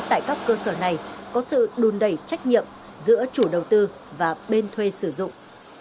tại các cơ sở này có sự đùn đẩy trách nhiệm giữa chủ đầu tư và bên thuê sử dụng